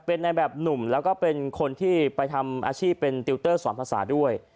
เป็นในแบบหนุ่มแล้วก็เป็นคนที่ไปทำอาชีพเป็นติวเตอร์สอนภาษาด้วย